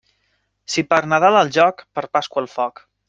Si per Nadal al joc, per Pasqua al foc.